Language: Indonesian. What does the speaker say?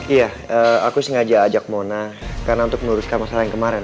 iya aku sengaja ajak mona karena untuk meluruskan masalah yang kemarin